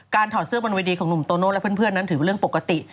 ถอดเสื้อบนเวทีของหนุ่มโตโน่และเพื่อนนั้นถือเป็นเรื่องปกติ